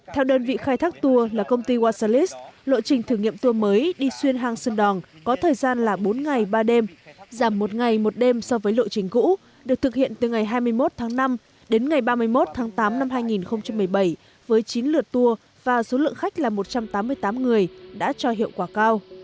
theo đơn vị khai thác tour là công ty wasalis lộ trình thử nghiệm tour mới đi xuyên hang sơn đòn có thời gian là bốn ngày ba đêm giảm một ngày một đêm so với lộ trình cũ được thực hiện từ ngày hai mươi một tháng năm đến ngày ba mươi một tháng tám năm hai nghìn một mươi bảy với chín lượt tour và số lượng khách là một trăm tám mươi tám người đã cho hiệu quả cao